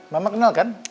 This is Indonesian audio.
mama kenal kan